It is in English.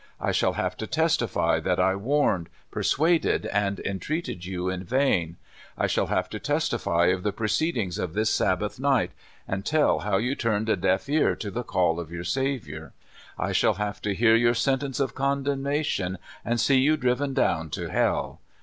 I shall have to testify that I warned, persuaded, and entreated you in vain. I shall have to testify of tlie proceedings of this Sabbath night, and tell how you turned a deaf ear to the call of your Saviour. I shall have to hear your sentence of condemna tion, and see you driven down to hell.